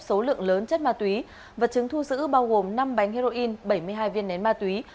số lượng lớn chất ma túy vật chứng thu giữ bao gồm năm bánh heroin bảy mươi hai viên nén ma túy